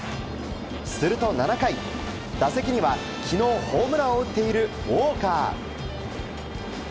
すると７回、打席には昨日ホームランを打っているウォーカー。